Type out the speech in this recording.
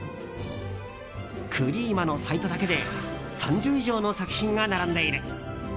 Ｃｒｅｅｍａのサイトだけで３０以上の作品が並んでいる。